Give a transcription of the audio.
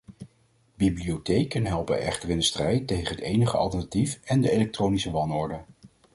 Bibliotheken helpen echter in de strijd tegen het enige alternatief en de elektronische wanorde.